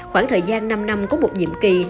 khoảng thời gian năm năm có một nhiệm kỳ